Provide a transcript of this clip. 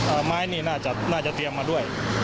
อ่าไม้นี่น่าจะเตรียมมาด้วย